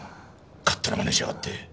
勝手なまねしやがって。